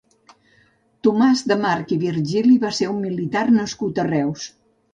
Tomàs de March i Virgili va ser un militar nascut a Reus.